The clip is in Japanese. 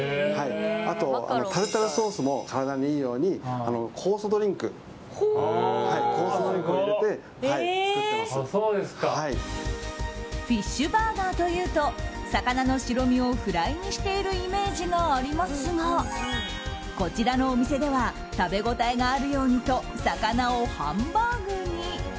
あと、タルタルソースも体にいいように酵素ドリンクを入れてフィッシュバーガーというと魚の白身をフライにしているイメージがありますがこちらのお店では食べ応えがあるようにと魚をハンバーグに。